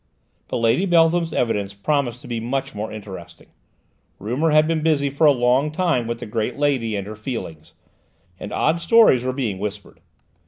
But Lady Beltham's evidence promised to be much more interesting. Rumour had been busy for a long time with the great lady and her feelings, and odd stories were being whispered.